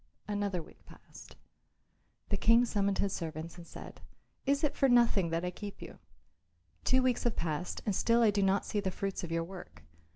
Another week passed. The King summoned his servants and said, "Is it for nothing that I keep you? Two weeks have passed and still I do not see the fruits of your work.